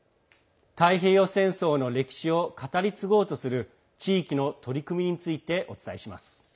太平洋戦争の歴史を語り継ごうとする地域の取り組みについてお伝えします。